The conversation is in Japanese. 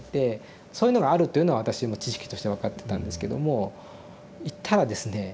そういうのがあるっていうのは私も知識として分かってたんですけども行ったらですね